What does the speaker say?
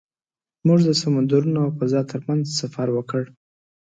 موږ د سمندرونو او فضا تر منځ سفر وکړ.